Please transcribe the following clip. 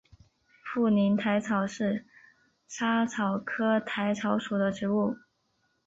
富宁薹草是莎草科薹草属的植物。